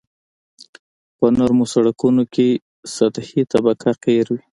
په نرمو سرکونو کې سطحي طبقه قیر وي